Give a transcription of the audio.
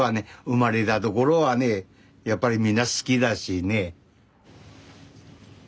生まれた所はねやっぱりみんな好きだしね。